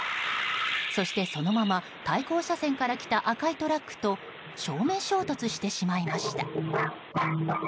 そしてそのまま対向車線から来た赤いトラックと正面衝突してしまいました。